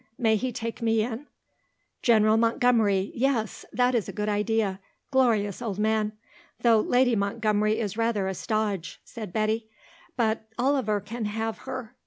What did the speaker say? May he take me in?" "General Montgomery. Yes; that is a good idea; glorious old man. Though Lady Montgomery is rather a stodge," said Betty; "but Oliver can have her."